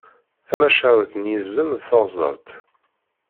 Tamacahut n yizem d teɣzalt.